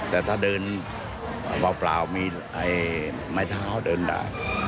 แต่ถ้าเดินเปล่ามีให้ไหมเท้าเดินด่าง